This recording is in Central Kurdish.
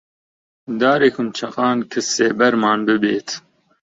دارێکم چەقاند کە سێبەرمان ببێت